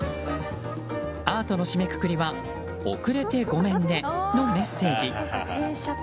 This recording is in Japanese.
アートの締めくくりは「おくれてごめんね」のメッセージ。